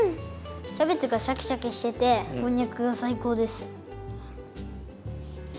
キャベツがシャキシャキしててこんにゃくがさいこうです。